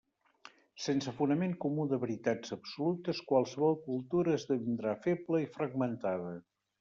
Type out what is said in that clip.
Sense fonament comú de veritats absolutes qualsevol cultura esdevindrà feble i fragmentada.